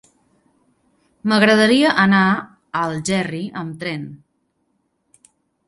M'agradaria anar a Algerri amb tren.